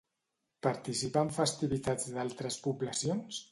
Participa en festivitats d'altres poblacions?